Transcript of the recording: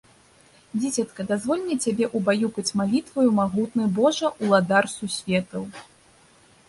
Дзіцятка, дазволь мне цябе ўбаюкаць малітваю: "Магутны Божа, Уладар Сусветаў..."